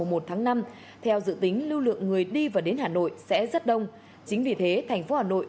mùa một tháng năm theo dự tính lưu lượng người đi và đến hà nội sẽ rất đông chính vì thế thành phố hà nội